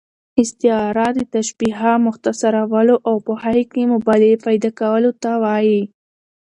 استعاره د تشبیه، مختصرولو او په هغې کښي مبالغې پیدا کولو ته وايي.